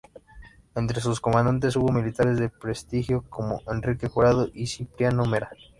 Entre sus comandantes hubo militares de prestigio como Enrique Jurado y Cipriano Mera.